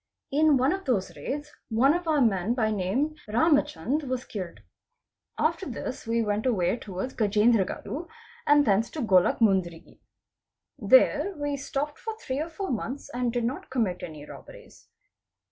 In one of those raids one of our men by name "Ramachand was killed. After this we went away towards Gajindragadu and thence to Golluck Mundrigi. There we stopped for three or four 96 762 THEFT months and did not commit any robberies.